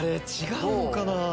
違うのかな？